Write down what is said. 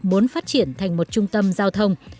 muốn phát triển thành một trung tâm giao thông